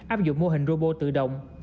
áp dụng mô hình robo tự động